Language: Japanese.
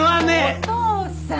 お父さん！